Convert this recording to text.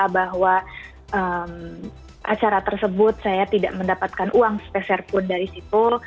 bahwa acara tersebut saya tidak mendapatkan uang spesial pun dari situ